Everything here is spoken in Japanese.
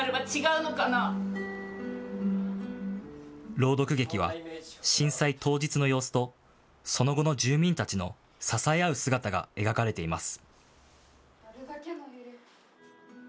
朗読劇は震災当日の様子とその後の住民たちの支え合う姿が描かれています。